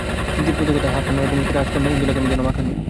দিদির প্রতি কথায়, হাত পা নাড়ার ভঙ্গিতে, রাজকন্যা ইন্দুলেখা যেন মাখানো!